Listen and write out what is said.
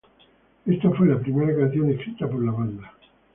Esta fue la primera canción escrita por la banda.